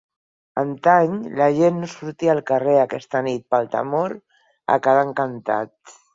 Antany la gent no sortia al carrer aquesta nit pel temor a quedar encantat.